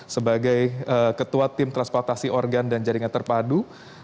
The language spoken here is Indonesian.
sebagai ketua tim transportasi organ dan jaringan terpadu